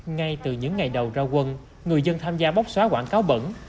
ngay từ những ngày đầu ra quân người dân tham gia bóc xóa quảng cáo bẩn